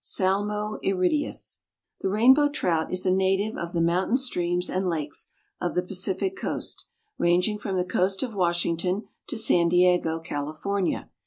(Salmo irideus.) The rainbow trout is a native of the mountain streams and lakes of the Pacific coast, ranging from the coast of Washington to San Diego, California.